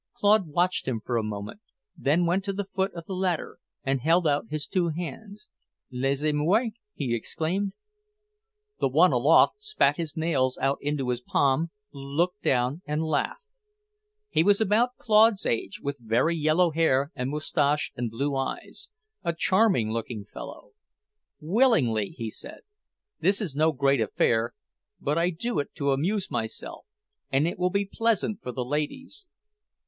Claude watched him for a moment, then went to the foot of the ladder and held out his two hands. "Laissez moi," he exclaimed. The one aloft spat his nails out into his palm, looked down, and laughed. He was about Claude's age, with very yellow hair and moustache and blue eyes. A charming looking fellow. "Willingly," he said. "This is no great affair, but I do it to amuse myself, and it will be pleasant for the ladies."